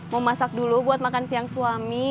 mau masak dulu buat makan siang suami